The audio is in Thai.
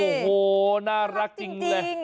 โอ้โหน่ารักจริงเลย